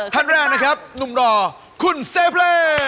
ท่านแรกนะครับหนุ่มหล่อคุณเซเบล